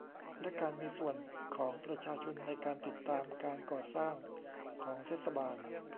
และการมีส่วนของประชาชนในการติดตามการก่อสร้างของเทศบาล